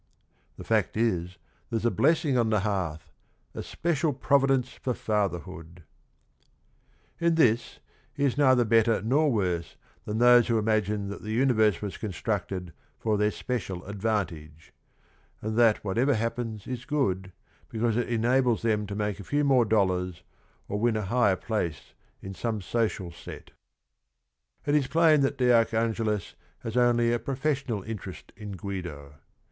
... The fact is, there 's a blessing on the hearth, A special providence for fatherhood I " In this he is neither better nor worse than those who imagine that the universe was constructed for their special advantage — and that whatever happens is good because it enables them to make a few more dollars or win a higher place in some social set. It is plain that de Archangelis has only a pro fessional interest in (juido.